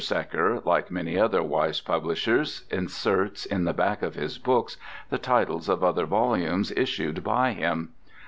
Secker, like many other wise publishers, inserts in the back of his books the titles of other volumes issued by him.